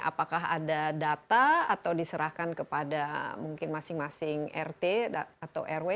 apakah ada data atau diserahkan kepada mungkin masing masing rt atau rw